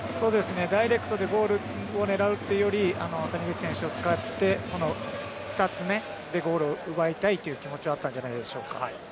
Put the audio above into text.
ダイレクトでゴールを狙うというより谷口選手を使って２つ目でゴールを奪いたいという気持ち